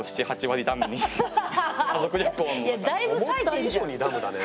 思った以上にダムだね。